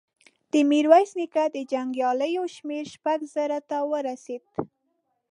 د ميرويس نيکه د جنګياليو شمېر شپږو زرو ته ورسېد.